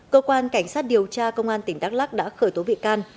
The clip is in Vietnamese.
cơ quan cảnh sát điều tra công an tỉnh đắk lắc đã khởi tố bị can